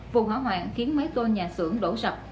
vụ hỏa hoạn khiến mấy tô nhà xưởng đổ sập